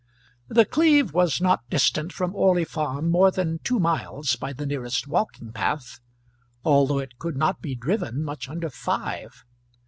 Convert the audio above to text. The Cleeve was not distant from Orley Farm more than two miles by the nearest walking path, although it could not be driven much under five.